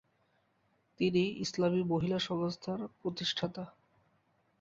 তিনি "ইসলামি মহিলা সংস্থার" প্রতিষ্ঠাতা।